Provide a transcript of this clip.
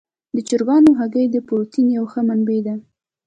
د چرګانو هګۍ د پروټین یوه ښه منبع ده.